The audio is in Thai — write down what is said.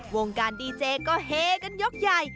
วงการดีเจก็เฮกันยกใหญ่